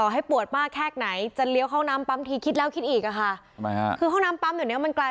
หลายคนนึกถึงห้องน้ำปั๊มใช่ไหมครับ